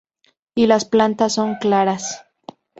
Y las patas son claras.